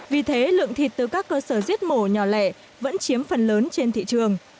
vì thế lượng thịt từ các cơ sở giết mổ nhỏ lẻ vẫn chiếm phần lớn trên thị trường